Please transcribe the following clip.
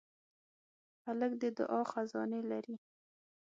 هلک د دعا خزانې لري.